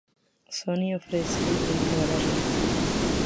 Sony ofrece el "grabarlo".